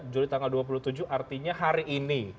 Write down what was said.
juli tanggal dua puluh tujuh artinya hari ini